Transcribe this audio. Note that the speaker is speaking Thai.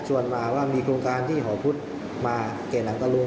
มาว่ามีโครงการที่หอพุทธมาแก่หนังตะลุง